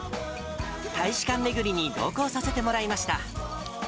大使館巡りに同行させてもらいました。